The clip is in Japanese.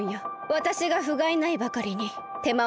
わたしがふがいないばかりにてまをかけた。